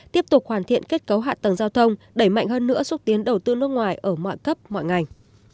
tiếp tục hoàn thiện kết cấu hạ tầng giao thông đẩy mạnh hơn nữa xúc tiến đầu tư nước ngoài ở mọi cấp mọi ngành